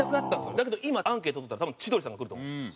だけど今アンケートを取ったら多分千鳥さんがくると思うんですよ。